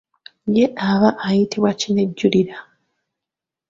Ye aba ayitibwa kinejjulira.